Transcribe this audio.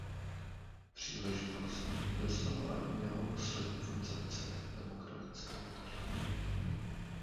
Příležitost nedostala ani jeho poslední koncepce „demokratické alternativy“.